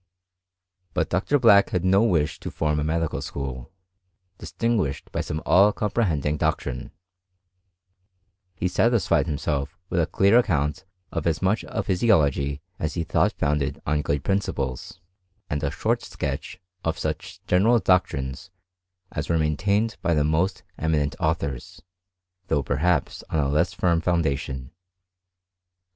But Dr. Black had no wish to form a medical school, distinguished by some all* CiMnprehending doctrine : he satisfied himself with a clear account of as much of physiology as he thought founded on good principles, and a short sketch of such general doctrines as were maintained by the most emi nent authors, though perhaps on a less firm founda tion.